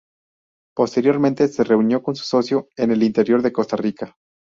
Posteriormente se reunió con su socio en el interior de Costa Rica.